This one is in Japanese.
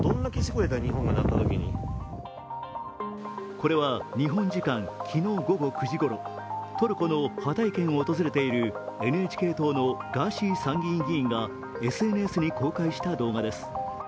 これは日本時間昨日午後９時ごろトルコのハタイ県を訪れているＮＨＫ党のガーシー参議院議員がＳＮＳに公開した動画です。